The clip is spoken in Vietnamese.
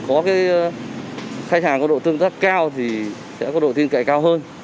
có cái khách hàng có độ tương tác cao thì sẽ có độ tin cậy cao hơn